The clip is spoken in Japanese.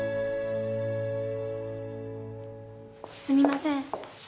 すみません